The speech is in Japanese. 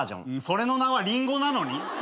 それの名はリンゴなのに？